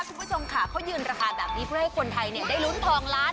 คุณผู้ชมค่ะเขายืนราคาแบบนี้เพื่อให้คนไทยเนี่ยได้ลุ้นทองล้าน